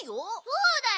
そうだよ。